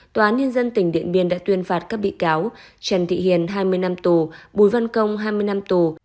tòa án nhân dân tỉnh điện biên đã tuyên phạt các bị cáo trần thị hiền hai mươi năm tù bùi văn công hai mươi năm tù